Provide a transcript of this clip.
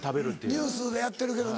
ニュースでやってるけどな。